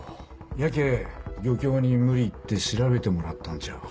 やけぇ漁協に無理言って調べてもらったんじゃ。